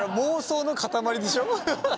妄想の塊でしょ。